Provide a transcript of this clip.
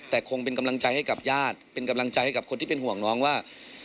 แต่คงเป็นกำลังใจให้กับญาติเป็นกำลังใจให้กับคนที่เป็นห่วงน้องว่า